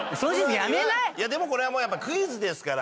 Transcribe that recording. でもこれはもうやっぱりクイズですから。